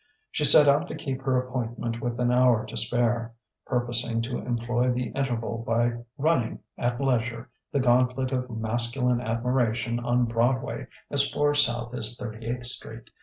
She set out to keep her appointment with an hour to spare, purposing to employ the interval by running, at leisure, the gauntlet of masculine admiration on Broadway as far south as Thirty eighth Street.